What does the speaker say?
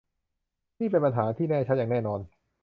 นี่เป็นปัญหาที่แน่ชัดอย่างแน่นอน